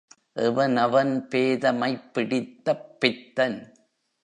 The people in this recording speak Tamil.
எவனவன் பேதைமைப் பிடித்தப் பித்தன்?